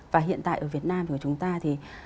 và hiện tại ở việt nam của chúng ta thì